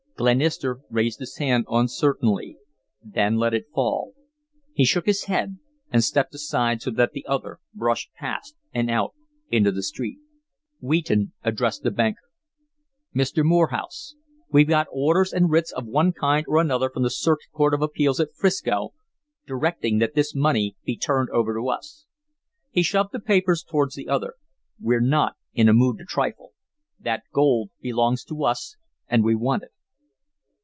Glenister raised his hand uncertainly, then let it fall. He shook his head, and stepped aside so that the other brushed past and out into the street. Wheaton addressed the banker: "Mr. Morehouse, we've got orders and writs of one kind or another from the Circuit Court of Appeals at 'Frisco directing that this money be turned over to us." He shoved the papers towards the other. "We're not in a mood to trifle. That gold belongs to us, and we want it."